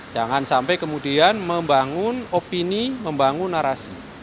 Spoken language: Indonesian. jangan sampai kemudian membangun opini membangun narasi